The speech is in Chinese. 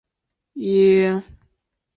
很快又获授陆军中校衔。